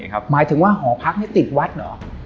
หมายถึงว่าหอพักนี่ติดวัดเหรอ